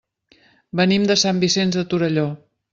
Venim de Sant Vicenç de Torelló.